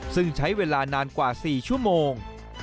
ซึ่งใช้เวลานานกว่า๔ชั่วโมง